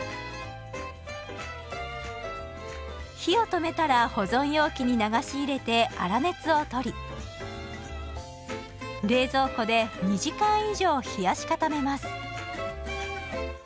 火を止めたら保存容器に流し入れて粗熱を取り冷蔵庫で２時間以上冷やし固めます。